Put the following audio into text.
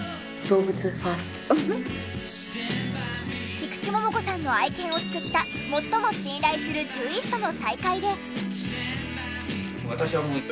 菊池桃子さんの愛犬を救った最も信頼する獣医師との再会で。